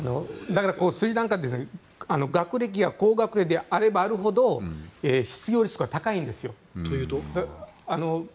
だからスリランカって学歴が高学歴であればあるほど失業率が高いんですよ。